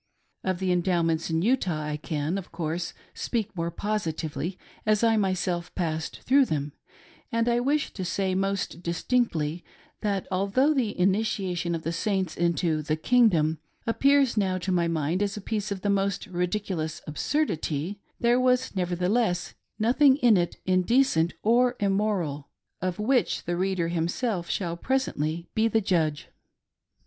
Of the Endowments in Utah I can, of course, speak more positively, as I myself passed through them ; and I wish to say most dis tinctly that, although the initiation of the Saints into "The Kingdom," appears now to my mind as a piece of the most ridiculous absurdity, there was nevertheless nothing in it in decent or immoral ;— of which the reader himself shall pres ently be the judge.